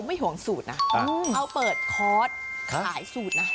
ไม่ห่วงสูตรนะเอาเปิดคอร์สขายสูตรนะ